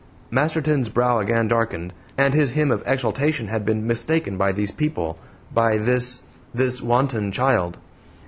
Masterton's brow again darkened. And his hymn of exultation had been mistaken by these people by this this wanton child!